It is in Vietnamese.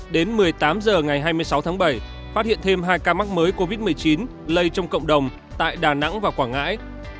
đến một mươi tám h ngày hai mươi sáu tháng bảy phát hiện thêm hai ca mắc mới covid một mươi chín lây trong cộng đồng tại đà nẵng và quảng ngãi